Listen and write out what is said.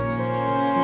tidak ada apa apa